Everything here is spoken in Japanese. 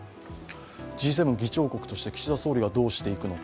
Ｇ７議長国として岸田総理がどうしていくのか。